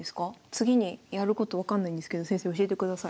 次にやること分かんないんですけど先生教えてください。